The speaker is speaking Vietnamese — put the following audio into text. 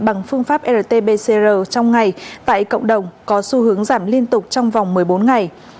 bằng phương pháp rt pcr trong ngày tại cộng đồng có xu hướng giảm liên tục trong vòng một mươi bốn ngày